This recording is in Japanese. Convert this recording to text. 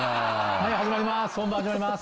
はい始まります